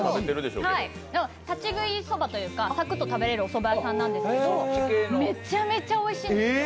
立ち食いそばというか、さくっと食べれるおそば屋さんなんですけど、めちゃめちゃおいしいんですよ。